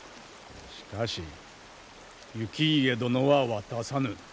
しかし「行家殿は渡さぬ。